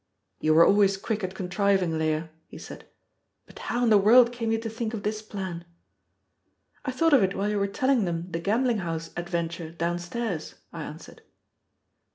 _ "You were always quick at contriving, Leah," he said; "but how in the world came you to think of this plan?" "I thought of it while you were telling them the gambling house adventure downstairs," I answered.